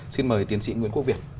xin mời tiến sĩ nguyễn quốc việt